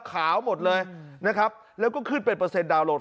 ขาวหมดเลยและก็ขึ้นเป็นเปอร์เซ็นต์ดาวน์โหลด